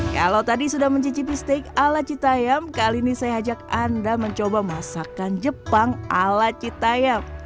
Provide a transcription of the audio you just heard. kalau tadi sudah mencicipi steak ala cita yam kali ini saya ajak anda mencoba masakan jepang ala cita yam